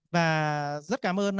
và rất cảm ơn